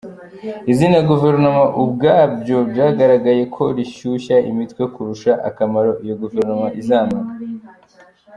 Izina Guverinoma ubwabyo byagaragaye ko rishyushya imitwe kurusha akamaro iyo Guverinoma izamara.